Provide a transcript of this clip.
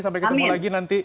sampai ketemu lagi nanti